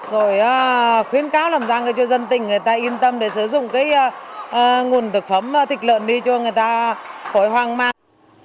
rồi khuyến cáo làm ra cho dân tỉnh người ta yên tâm để sử dụng cái nguồn thực phẩm thịt lợn đi cho người ta khỏi hoang mang